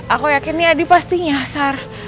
aku yakin nih adi pasti nyasar